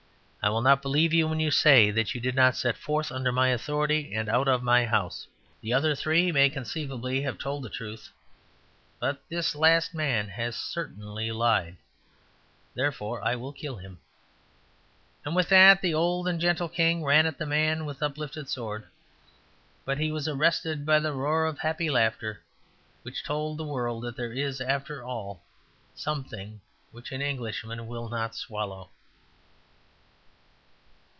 I will not believe you when you say that you did not all set forth under my authority and out of my house. The other three may conceivably have told the truth; but this last man has certainly lied. Therefore I will kill him." And with that the old and gentle king ran at the man with uplifted sword; but he was arrested by the roar of happy laughter, which told the world that there is, after all, something which an Englishman will not swallow.